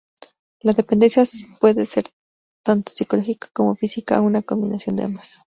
La dependencia puede ser tanto psicológica como física o una combinación de ambas.